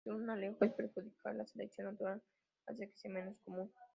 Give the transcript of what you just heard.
Pero si un alelo es perjudicial, la selección natural hace que sea menos común.